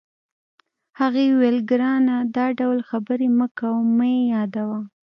هغې وویل: ګرانه، دا ډول خبرې مه کوه، مه یې یادوه.